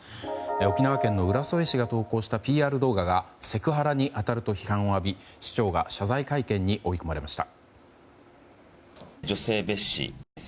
沖縄県の浦添市が投稿したＰＲ動画がセクハラに当たると批判を浴び市長が謝罪会見に追い込まれました。